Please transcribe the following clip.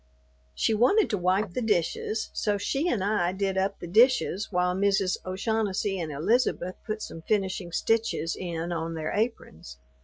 She wanted to wipe the dishes, so she and I did up the dishes while Mrs. O'Shaughnessy and Elizabeth put some finishing stitches in on their aprons.